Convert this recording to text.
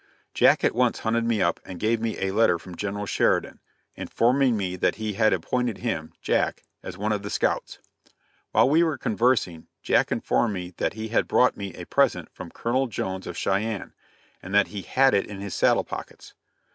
Jack at once hunted me up and gave me a letter from General Sheridan, informing me that he had appointed him (Jack) as one of the scouts. While we were conversing, Jack informed me that he had brought me a present from Colonel Jones of Cheyenne, and that he had it in his saddle pockets.